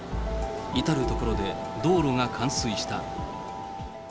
至る所で道路が冠水した。